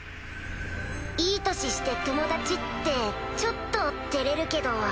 いい年して友達ってちょっと照れるけど。